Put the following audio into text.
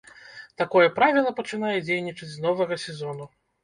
Такое правіла пачынае дзейнічаць з новага сезону.